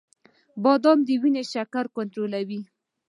• بادام د وینې شکر کنټرولوي.